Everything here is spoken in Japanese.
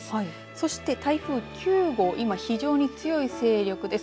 そして台風９号今非常に強い勢力です。